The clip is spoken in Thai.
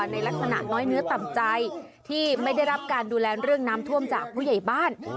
ในลักษณะน้อยเนื้อต่ำใจที่ไม่ได้รับการดูแลเรื่องน้ำท่วมจากผู้ใหญ่บ้าน